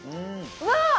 うわ！